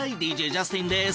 ＤＪジャスティンです。